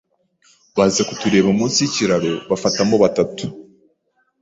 baza kutureba munsi y’ikiraro bafatamo batatu